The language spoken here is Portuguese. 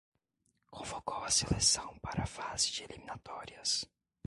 Convocou a seleção para a fase de eliminatórias